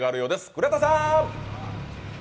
倉田さん。